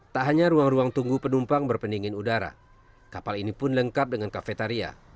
tak hanya ruang ruang tunggu penumpang berpendingin udara kapal ini pun lengkap dengan kafetaria